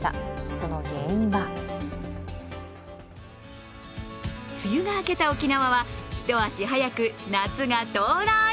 その原因は梅雨が明けた沖縄は一足早く夏が到来！